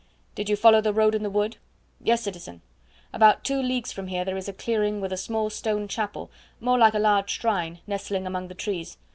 "Did you follow the road in the wood?" "Yes, citizen. About two leagues from here there is a clearing with a small stone chapel, more like a large shrine, nestling among the trees.